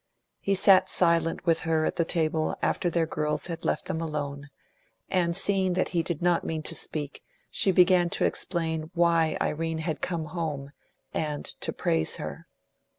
He sat silent with her at the table after their girls had left them alone, and seeing that he did not mean to speak, she began to explain why Irene had come home, and to praise her.